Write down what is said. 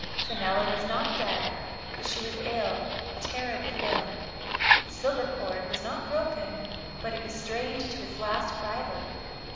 Fenella was not dead, but she was ill — terribly ill. The silver cord was not broken, but it was strained to its last fiber.